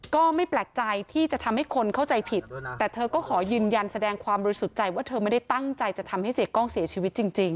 ก็ไม่แปลกใจที่จะทำให้คนเข้าใจผิดแต่เธอก็ขอยืนยันแสดงความบริสุทธิ์ใจว่าเธอไม่ได้ตั้งใจจะทำให้เสียกล้องเสียชีวิตจริง